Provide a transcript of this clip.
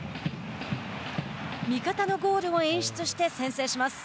味方のゴールを演出して先制します。